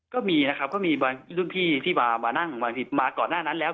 ก็มีนะครับก็มีบางรุ่นพี่ที่มานั่งบางทีมาก่อนหน้านั้นแล้ว